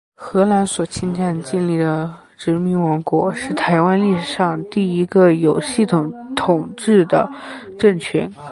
荷兰所侵占建立的殖民王国，是台湾历史上第一个有系统统治的政权。